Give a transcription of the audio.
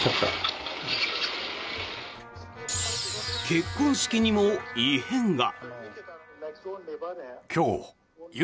結婚式にも異変が。